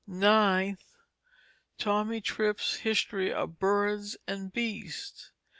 9th, Tommy Trip's History of Birds and Beasts.